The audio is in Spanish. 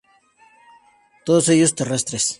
Todos ellos terrestres.